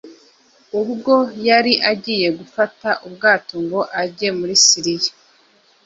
ubwo yari agiye gufata ubwato ngo ajye muri Siriya